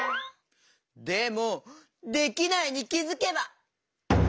でも「できないに気づけば」？